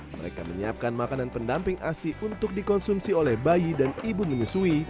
mereka menyiapkan makanan pendamping asi untuk dikonsumsi oleh bayi dan ibu menyusui